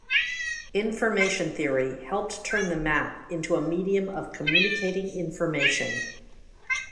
Information theory helped turn the map into a medium of communicating information.